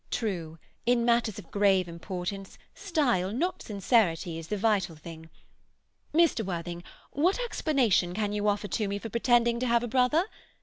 GWENDOLEN. True. In matters of grave importance, style, not sincerity is the vital thing. Mr. Worthing, what explanation can you offer to me for pretending to have a brother?